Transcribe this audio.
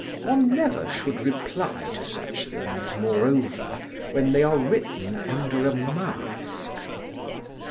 One never should reply to such things, moreover, when they are written under a mask.